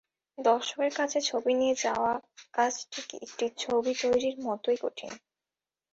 দর্শকের কাছে ছবি নিয়ে যাওয়ার কাজটি একটি ছবি তৈরির মতোই কঠিন।